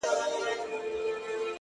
كبرجن وو ځان يې غوښـتى پــه دنـيـا كي”